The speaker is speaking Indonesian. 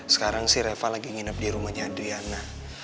sekarang sih reva lagi nginep di rumahnya adriana